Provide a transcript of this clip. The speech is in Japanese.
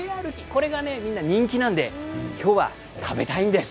これが人気なので今日は食べたいんです。